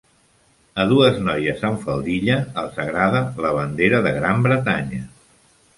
A dues noies amb faldilla els agrada la bandera de Gran Bretanya.